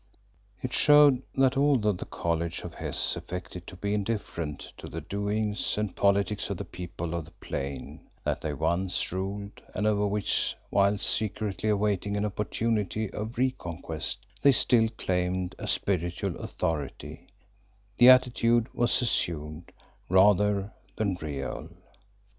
It showed that although the College of Hes affected to be indifferent to the doings and politics of the people of the Plain that they once ruled and over which, whilst secretly awaiting an opportunity of re conquest, they still claimed a spiritual authority, the attitude was assumed rather than real.